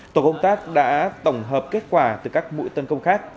tổ công tác đã tổng hợp kết quả từ các mũi tấn công khác